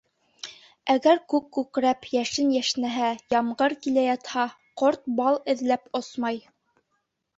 Әгәр күк күкрәп, йәшен йәшнәһә, ямғыр килә ятһа, ҡорт бал эҙләп осмай.